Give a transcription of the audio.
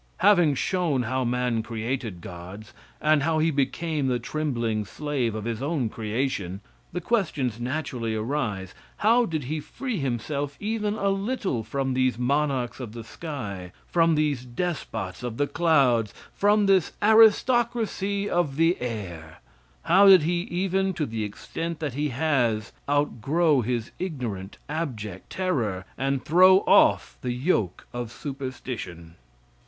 Having shown how man created gods, and how he became the trembling slave of his own creation, the questions naturally arise: How did he free himself even a little, from these monarchs of the sky, from these despots of the clouds, from this aristocracy of the air? How did he, even to the extent that he has, outgrow his ignorant, abject terror, and throw off, the yoke of superstition?